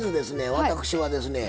私はですね